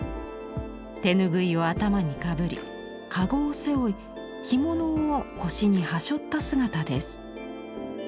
手拭いを頭にかぶり籠を背負い着物を腰にはしょった姿です。